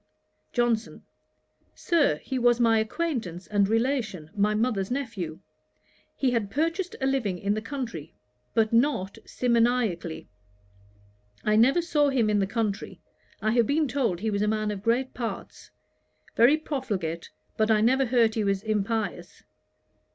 JOHNSON. 'Sir, he was my acquaintance and relation, my mother's nephew. He had purchased a living in the country, but not simoniacally. I never saw him but in the country. I have been told he was a man of great parts; very profligate, but I never heard he was impious.'